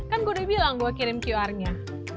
kan gue udah bilang gue kirim qr nya